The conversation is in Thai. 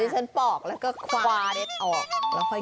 ดิฉันปอกแล้วก็คว้านออกแล้วค่อยกิน